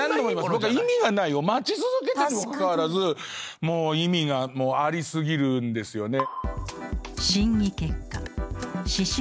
僕意味がないを待ち続けてるにもかかわらずもう意味があり過ぎるんですよね。